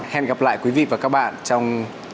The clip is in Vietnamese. hẹn gặp lại quý vị và các bạn trong